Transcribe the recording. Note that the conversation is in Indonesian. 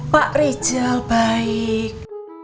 pak rijal baik